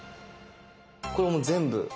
これもう全部。